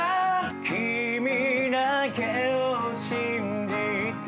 「君だけを信じて」